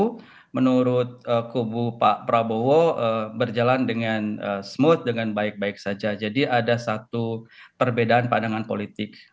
dan sesuatu yang memang menjadi salah satu povo bahkan juga tidak diteruskan dengan h chacun gol sa denial politik